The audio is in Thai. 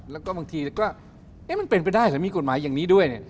แล้วก็บางทีก็เอ๊ะมันเป็นไปได้เหรอมีกฎหมายอย่างนี้ด้วยเนี่ย